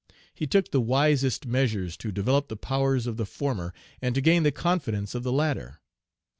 He took the wisest measures to develop the powers of the former, and to gain the confidence of the latter.